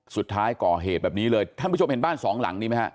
สุดท้ายก่อเหตุแบบนี้เลยท่านผู้ชมเห็นบ้านสองหลังนี้ไหมฮะ